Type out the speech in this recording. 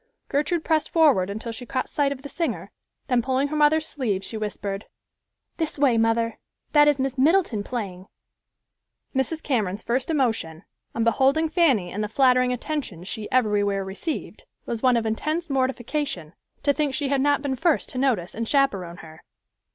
Gertrude pressed forward until she caught sight of the singer, then pulling her mother's sleeve, she whispered, "This way, mother; that is Miss Middleton playing." Mrs. Cameron's first emotion, on beholding Fanny and the flattering attentions she everywhere received, was one of intense mortification, to think she had not been first to notice and chaperone her.